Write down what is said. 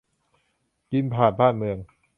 กินบ้านผ่านเมือง